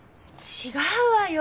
違うわよ！